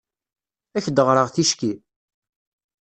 Ad ak-d-ɣreɣ ticki?